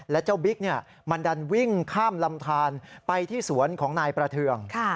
และเจ้าบิ๊กมันดันวิ่งข้ามลำทานไปที่สวนของนายประเทือง